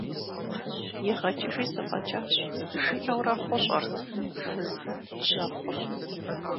ИгъэкӀыжи зэфӀэкӀащ, – жиӀэурэ хъущӀэрт фыз жьэхъур.